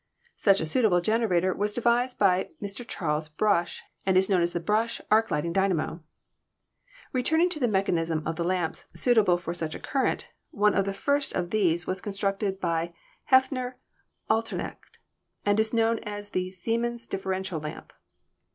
Such a suitable generator was devised by Mr. Charles Brush, and is known as the Brush arc light ing dynamo. Returning to the mechanism of the lamps suitable for Fig. 24 — Diagram of Siemens' Differential Lamp. such a circuit, one of the first of these was constructed by Hefner Alteneck, and is known as the Siemens differ ential lamp.